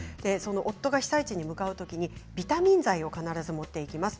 夫が被災地に向かうときにビタミン剤を必ず持っていきます。